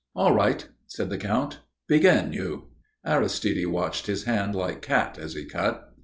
"All right," said the Count. "Begin, you." Aristide watched his hand like cat, as he cut.